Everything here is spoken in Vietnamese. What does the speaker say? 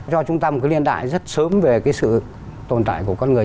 cho chúng ta một cái liên đại rất sớm về cái sự tồn tại của con người